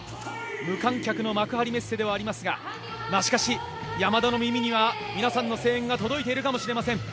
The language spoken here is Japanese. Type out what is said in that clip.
無観客の幕張メッセではありますがしかし、山田の耳には皆さんの声援が届いているかもしれません。